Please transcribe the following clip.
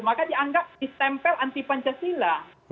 maka dianggap distempel anti pancasila